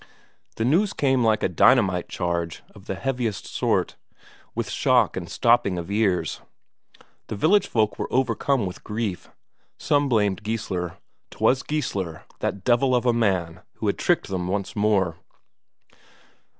The news came like a dynamite charge of the heaviest sort, with shock and stopping of ears. The village folk were overcome with grief. Some blamed Geissler; 'twas Geissler, that devil of a man, who had tricked them once more.